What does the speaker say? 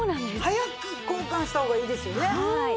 早く交換した方がいいですよね。